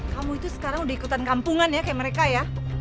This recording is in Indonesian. kamu itu sekarang udah ikutan kampungan ya kayak mereka ya